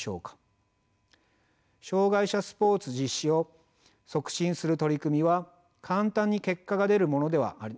障害者スポーツ実施を促進する取り組みは簡単に結果が出るものではなさそうです。